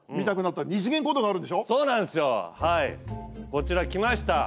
こちら、きました。